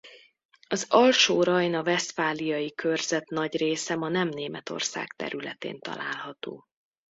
Az Alsó-rajna–vesztfáliai körzet nagy része ma nem Németország területén található.